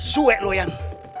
suek lo yang